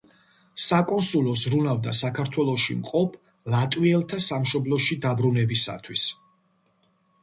საკონსულო ზრუნავდა საქართველოში მყოფ ლატვიელთა სამშობლოში დაბრუნებისათვის.